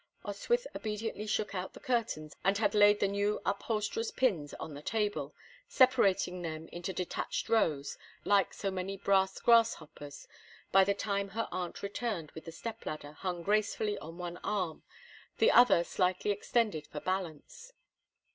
Oswyth obediently shook out the curtains, and had laid the new upholsterer's pins on the table, separating them into detached rows, like so many brass grasshoppers, by the time her aunt returned with the step ladder hung gracefully on one arm, the other slightly extended for balance.